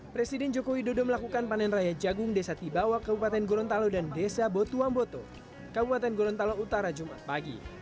presiden joko widodo melakukan panen raya jagung desa tibawa kabupaten gorontalo dan desa botuamboto kabupaten gorontalo utara jumat pagi